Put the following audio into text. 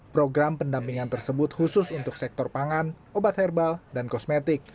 program pendampingan tersebut khusus untuk sektor pangan obat herbal dan kosmetik